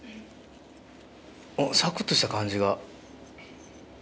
おっサクっとした感じが。